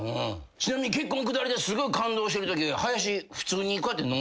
ちなみに結婚のくだりですごい感動してるとき。